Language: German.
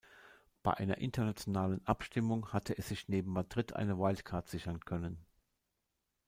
Bei einer internationalen Abstimmung hatte es sich neben Madrid eine Wildcard sichern können.